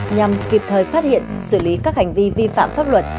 nhằm kịp thời phát hiện xử lý các hành vi vi phạm pháp luật